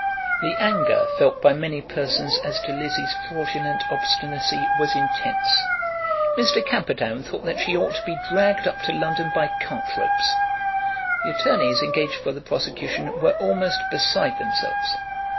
The anger felt by many persons as to Lizzie's fraudulent obstinacy was intense. Mr. Camperdown thought that she ought to be dragged up to London by cart ropes. The attorneys engaged for the prosecution were almost beside themselves.